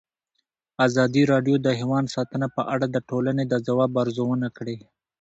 ازادي راډیو د حیوان ساتنه په اړه د ټولنې د ځواب ارزونه کړې.